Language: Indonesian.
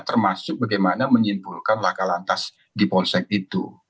termasuk bagaimana menyimpulkan laka lantas di polsek itu